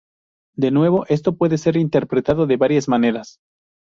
De nuevo, esto puede ser interpretado de varias maneras.